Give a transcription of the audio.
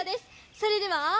それでは。